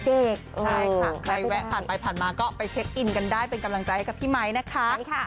ใช่ค่ะใครแวะผ่านไปผ่านมาก็ไปเช็คอินกันได้เป็นกำลังใจให้กับพี่ไมค์นะคะ